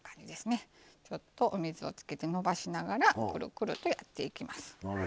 お水をつけて延ばしながらくるくるとやっていきます。